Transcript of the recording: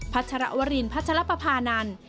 ัชรวรินพัชรปภานันทร์